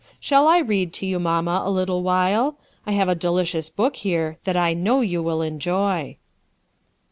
Shall I read to you, mamma, a little while? I have a delicious book here that I know you will enjoy."